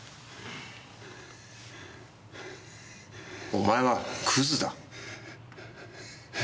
お前はクズだ。